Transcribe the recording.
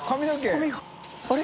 あれ？